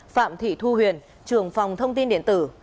phạm thị thu huyền trường phòng thông tin điện tử